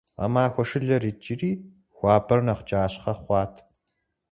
Гъэмахуэ шылэр икӀри, хуабэр нэхъ кӀащхъэ хъуат.